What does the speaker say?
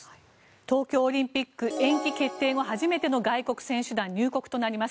東京オリンピック延期決定後初めての外国選手団入国となります。